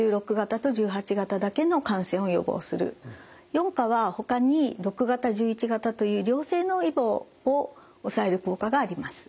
４価はほかに６型・１１型という良性のイボを抑える効果があります。